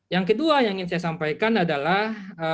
yang kedua yang ingin saya sampaikan adalah